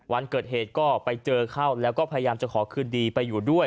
วันเกิดเหตุก็ไปเจอเข้าแล้วก็พยายามจะขอคืนดีไปอยู่ด้วย